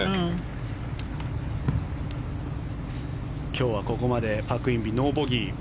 今日はここまでパク・インビノーボギー。